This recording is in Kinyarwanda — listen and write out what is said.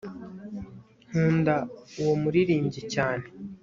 nkunda uwo muririmbyi cyane